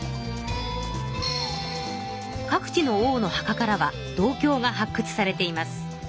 各地の王の墓からは銅鏡が発くつされています。